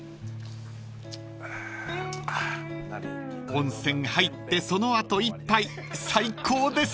［温泉入ってその後一杯最高です！］